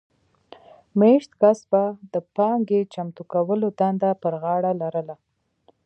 مېشت کس به د پانګې چمتو کولو دنده پر غاړه لرله